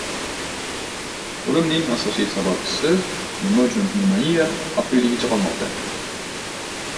«O‘limning asosiy sababchisi» – nima uchun pnevmoniya xavfliligicha qolmoqda?